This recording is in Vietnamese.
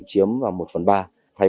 thực sự là đầm ấm